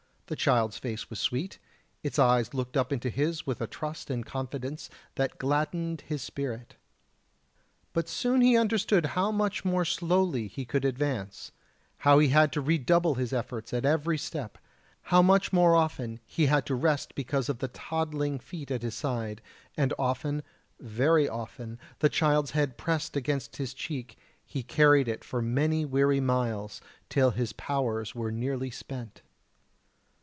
The child's face was sweet, its eyes looked up into his with a trust and confidence that gladdened his spirit. But soon he understood how much more slowly he could advance; how he had to redouble his efforts at every step; how much more often he had to rest because of the toddling feet at his side, and often, very often the child's head pressed against his cheek; he carried it for many weary miles, till his powers were nearly spent.